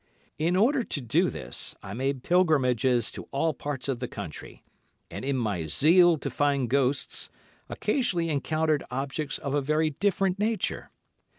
In order to do this I made pilgrimages to all parts of the country, and in my zeal to find ghosts occasionally encountered objects of a very different nature.